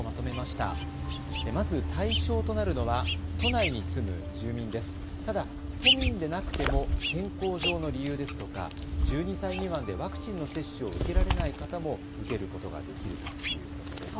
ただ都民でなくても健康上の理由ですとか１２歳未満でワクチンの接種を受けられない方も受けることができるということです。